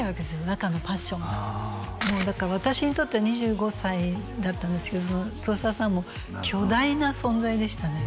中のパッションがもうだから私にとっては２５歳だったんですけどその黒澤さんはもう巨大な存在でしたね